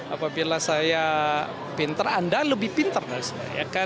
apabila saya pinter anda lebih pinter dari saya